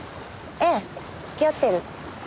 ええ付き合ってると。